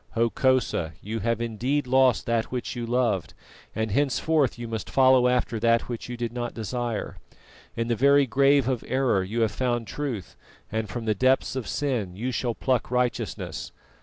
_Hokosa, you have indeed lost that which you loved, and henceforth you must follow after that which you did not desire. In the very grave of error you have found truth, and from the depths of sin you shall pluck righteousness.